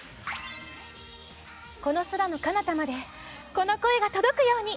この空の彼方までこの声が届くように。